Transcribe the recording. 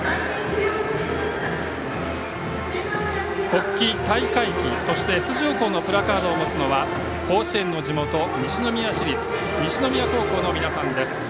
国旗、大会旗そして出場校のプラカードを持つのは甲子園の地元西宮市立西宮高校の皆さんです。